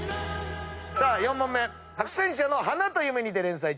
さあ４問目白泉社の『花とゆめ』にて連載中。